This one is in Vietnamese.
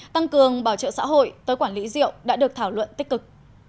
tăng cường bảo trợ xã hội tới quản lý rượu đã được thảo luận tích cực